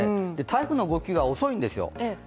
台風の動きが遅いんですよ。